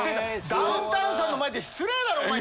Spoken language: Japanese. ダウンタウンさんの前で失礼だろお前。